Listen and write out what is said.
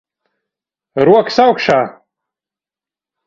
Rokas augšā.